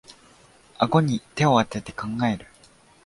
あごに手をあてて考える